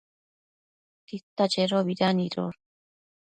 Tita chedobida nidosh?